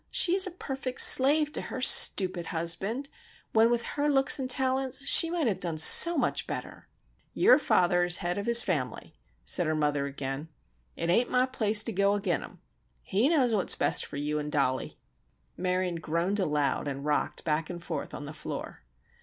She is a perfect slave to her stupid husband, when with her looks and talents she might have done so much better!" "Your father is the head of his fam'ly," said her mother again. "It ain't my place to go ag'in him. He knows what's best fer yew an' Dollie!" Marion groaned aloud and rocked back and forth on the floor.